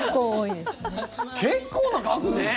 結構な額ね。